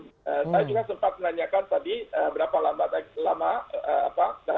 saya juga sempat menanyakan tadi berapa lama